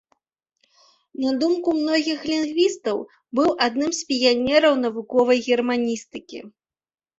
На думку многіх лінгвістаў, быў адным з піянераў навуковай германістыкі.